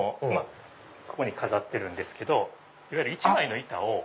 ここに飾ってるんですけどいわゆる一枚の板を。